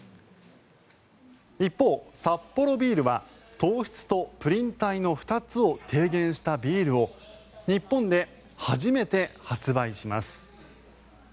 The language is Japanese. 一方、サッポロビールは糖質とプリン体の２つを低減したビールを日本で初めて発売します。